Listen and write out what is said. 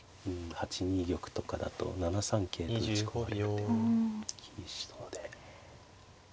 ８二玉とかだと７三桂と打ち込まれる手も厳しそうで。